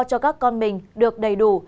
cho các con mình được đầy đủ